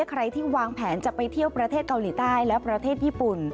ใครที่วางแผนจะไปเที่ยวประเทศเกาหลีใต้และประเทศญี่ปุ่น